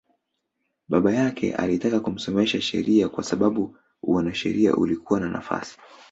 Baba yake alitaka kumsomesha sheria kwa sababu uanasheria ulikuwa na nafasi